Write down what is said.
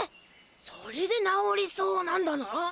それで「なおりそう」なんだな。